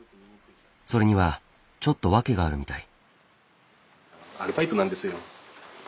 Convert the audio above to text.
それにはちょっと訳があるみたい。